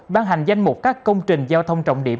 ban hành danh mục các công trình giao thông trọng điểm